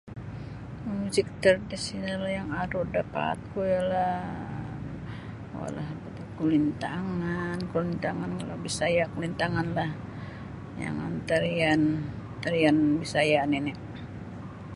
Muzik tradisional yang aru da paat ku ialah [unintelligible] kulintangan kulintangan kalau Bisaya Kulintangan lah jangan tarian tarian Bisaya nini.